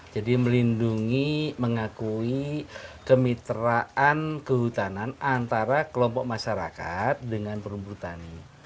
melindungi mengakui kemitraan kehutanan antara kelompok masyarakat dengan perumputani